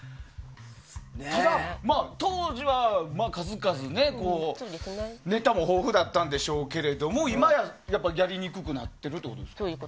当時は数々ネタも豊富だったんでしょうけど今や、やりにくくなってるということですか。